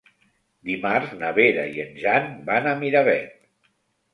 Dimarts na Vera i en Jan van a Miravet.